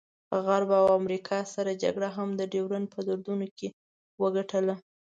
غرب او امریکا سړه جګړه هم د ډیورنډ په دردونو کې وګټله.